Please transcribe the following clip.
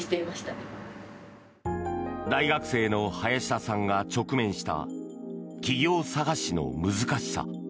大学生の林田さんが直面した企業探しの難しさ。